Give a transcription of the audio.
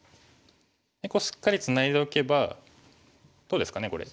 ここしっかりツナいでおけばどうですかねこれ。